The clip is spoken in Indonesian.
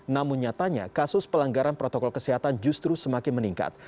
namun nyatanya kasus pelanggaran protokol kesehatan justru semakin meningkat